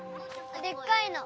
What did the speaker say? でっかいの。